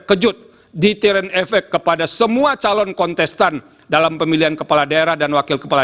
kejut deteren efek kepada semua calon kontestan dalam pemilihan kepala daerah dan wakil kepala